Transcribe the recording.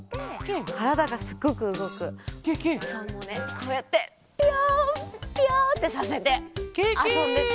こうやってピヨンピヨンってさせてあそんでた。